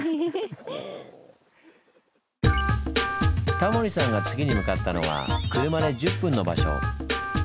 タモリさんが次に向かったのは車で１０分の場所。